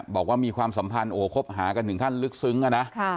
บอกว่ามีความสัมพันธ์โอ้คบหากันถึงขั้นลึกซึ้งอะนะ